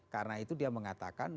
karena itu dia mengatakan